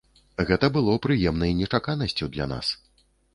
Гэта было прыемнай нечаканасцю для нас.